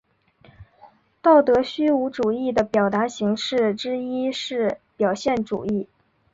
道德虚无主义的表达形式之一是表现主义。